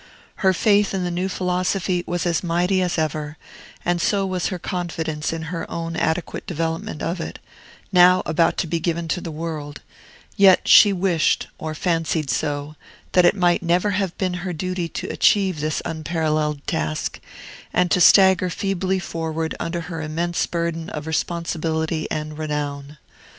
Her faith in the new philosophy was as mighty as ever, and so was her confidence in her own adequate development of it, now about to be given to the world; yet she wished, or fancied so, that it might never have been her duty to achieve this unparalleled task, and to stagger feebly forward under her immense burden of responsibility and renown.